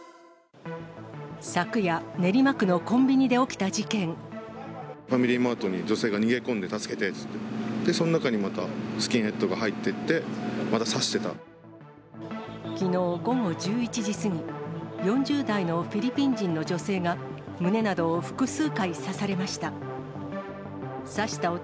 昨夜、練馬区のコンビニで起きたファミリーマートに、女性が逃げ込んで助けてーって言って、その中にまた、スキンヘッドが入っていって、きのう午後１１時過ぎ、４０代のフィリピン人の女性が胸などを複数回刺されました。